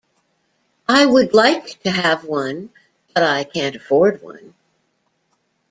I would like to have one, but I can't afford one.